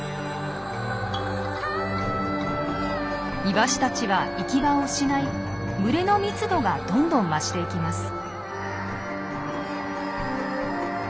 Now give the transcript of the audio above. イワシたちは行き場を失い群れの密度がどんどん増していきます。